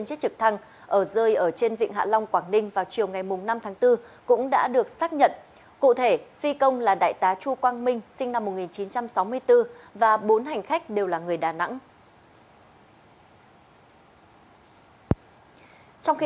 xin chào và hẹn gặp lại